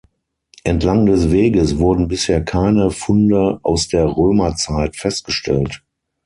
Entlang des Weges wurden bisher keine Funde aus der Römerzeit festgestellt.